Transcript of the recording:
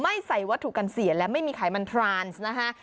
ใส่วัตถุกันเสียและไม่มีไขมันทรานซ์นะฮะ